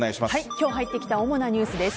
今日入ってきた主なニュースです。